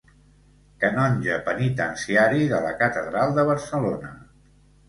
Canonge penitenciari de la Catedral de Barcelona.